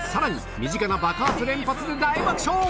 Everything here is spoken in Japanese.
身近な爆発連発で大爆笑！